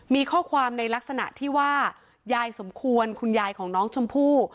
มีข้อความในลักษณะที่ว่ายายสมควรคุณยายของน้องชมพู่